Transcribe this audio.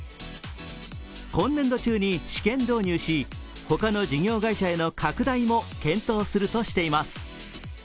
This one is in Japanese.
今年度中に試験導入し、他の事業会社への拡大も検討するとしています。